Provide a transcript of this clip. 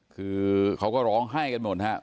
คือเขาก็ร้องไห้กันหมดครับ